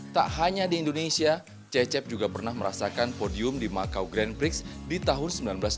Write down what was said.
tak hanya di indonesia cecep juga pernah merasakan podium di macau grand prix di tahun seribu sembilan ratus delapan puluh